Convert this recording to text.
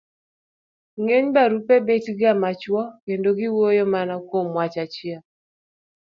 ng'eny barupe bet ga machuok kendo giwuoyo mana kuom wach achiel